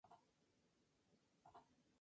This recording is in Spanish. La edición estuvo a cargo de Sofía Lindgren.